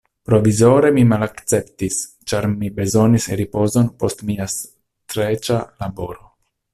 Provizore mi malakceptis, ĉar mi bezonis ripozon post mia streĉa laboro.